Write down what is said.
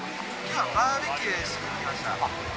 バーベキューしに来ました。